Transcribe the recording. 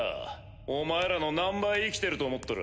お前らの何倍生きてると思ってる。